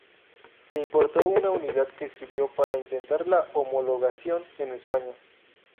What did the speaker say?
Se importó una unidad que sirvió para intentar la homologación en España.